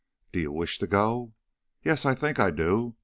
"'Do you wish to go?' "'Yes; I think I do.